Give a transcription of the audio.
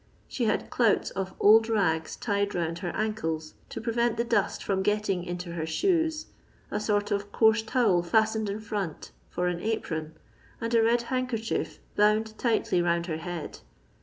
Hhe had clouts of old rags tied round her ancles to prevent the dust from getting into her shoes, a sort of coarse towel fastened in front for an apron, and a red handkerchief bound tightly round her head.